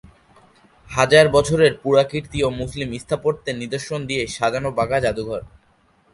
হাজার বছরের পুরাকীর্তি ও মুসলিম স্থাপত্যের নিদর্শন দিয়ে সাজানো বাঘা জাদুঘর।